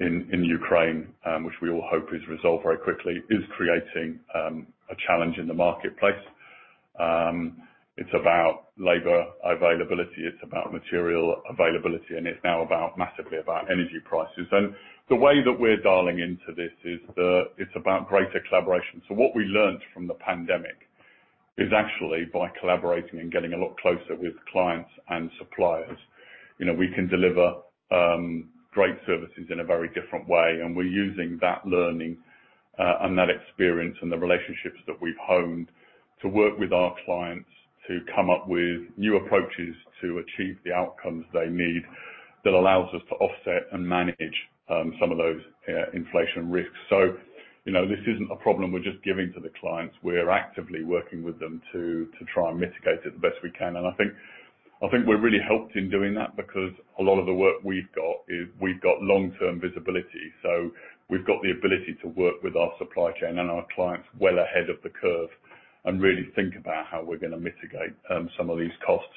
in Ukraine, which we all hope is resolved very quickly, is creating a challenge in the marketplace. It's about labor availability, it's about material availability, and it's now massively about energy prices. The way that we're dialing into this is that it's about greater collaboration. What we learned from the pandemic is actually by collaborating and getting a lot closer with clients and suppliers, you know, we can deliver great services in a very different way. We're using that learning, and that experience and the relationships that we've honed to work with our clients to come up with new approaches to achieve the outcomes they need that allows us to offset and manage, some of those, inflation risks. You know, this isn't a problem we're just giving to the clients. We're actively working with them to try and mitigate it the best we can. I think we're really helped in doing that because a lot of the work we've got is long-term visibility. We've got the ability to work with our supply chain and our clients well ahead of the curve and really think about how we're gonna mitigate, some of these costs.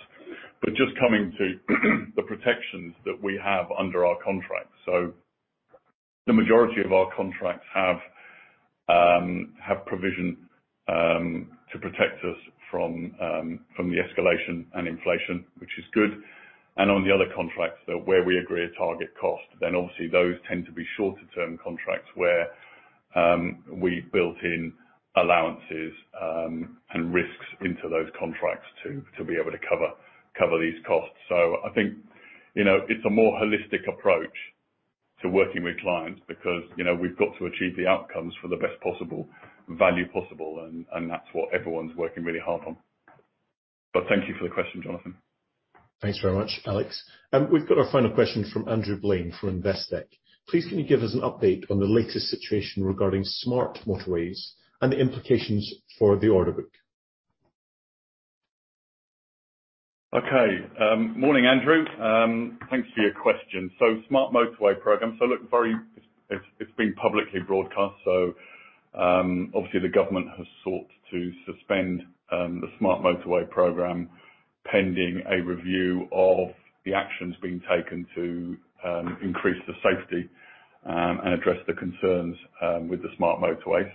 Just coming to the protections that we have under our contract. The majority of our contracts have provision to protect us from the escalation and inflation, which is good. On the other contracts, where we agree a target cost, then obviously those tend to be shorter-term contracts where we've built in allowances and risks into those contracts to be able to cover these costs. I think, you know, it's a more holistic approach to working with clients because, you know, we've got to achieve the outcomes for the best possible value possible and that's what everyone's working really hard on. Thank you for the question, Jonathan. Thanks very much, Alex. We've got our final question from Andrew Blane from Investec. Please, can you give us an update on the latest situation regarding smart motorways and the implications for the order book? Okay. Morning, Andrew. Thanks for your question. Smart motorway program. Look, it's been publicly broadcast, so obviously the government has sought to suspend the smart motorway program, pending a review of the actions being taken to increase the safety and address the concerns with the smart motorways.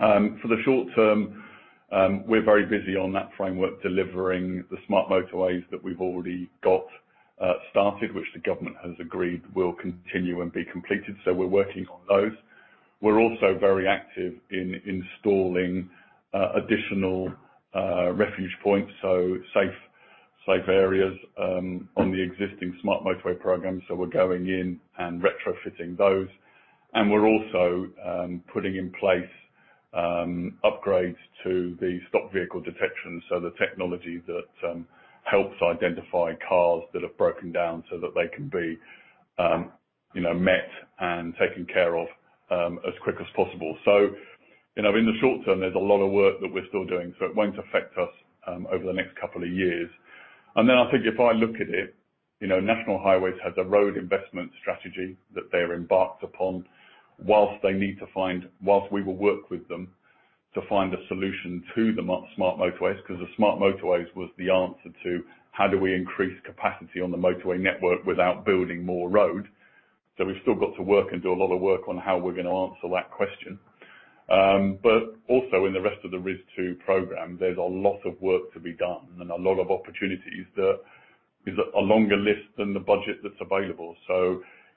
For the short term, we're very busy on that framework, delivering the smart motorways that we've already got started, which the government has agreed will continue and be completed. We're working on those. We're also very active in installing additional refuge points, so safe areas on the existing smart motorway program. We're going in and retrofitting those, and we're also putting in place upgrades to the stopped vehicle detection, so the technology that helps identify cars that have broken down so that they can be, you know, met and taken care of as quick as possible. You know, in the short term, there's a lot of work that we're still doing, so it won't affect us over the next couple of years. I think if I look at it, you know, National Highways has a Road Investment Strategy that they're embarked upon whilst we will work with them to find a solution to the smart motorways, 'cause the smart motorways was the answer to how do we increase capacity on the motorway network without building more road. We've still got to work and do a lot of work on how we're gonna answer that question. Also in the rest of the RIS2 program, there's a lot of work to be done and a lot of opportunities. There is a longer list than the budget that's available.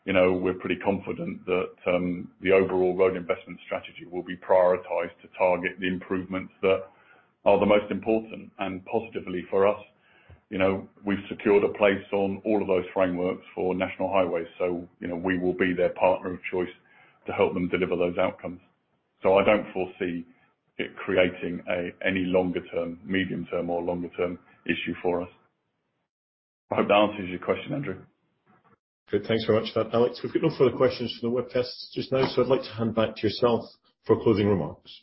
You know, we're pretty confident that the overall Road Investment Strategy will be prioritized to target the improvements that are the most important. Positively for us, you know, we've secured a place on all of those frameworks for National Highways, so, you know, we will be their partner of choice to help them deliver those outcomes. I don't foresee it creating any longer term, medium term or longer term issue for us. I hope that answers your question, Andrew. Good. Thanks very much for that, Alex. We've got no further questions from the webcast just now, so I'd like to hand back to yourself for closing remarks.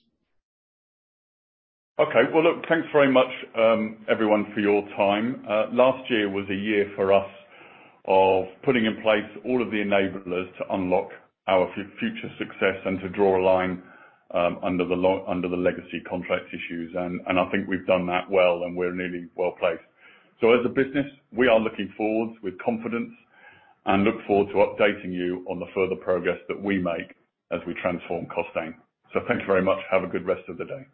Okay. Well, look, thanks very much, everyone, for your time. Last year was a year for us of putting in place all of the enablers to unlock our future success and to draw a line under the legacy contract issues. I think we've done that well, and we're nearly well-placed. As a business, we are looking forward with confidence and look forward to updating you on the further progress that we make as we transform Costain. Thank you very much. Have a good rest of the day.